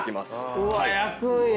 うわっ焼くんや。